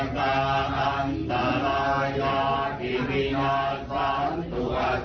ประโยชน์ด้วยอาทิตย์ความดีใจที่จะถูกใช้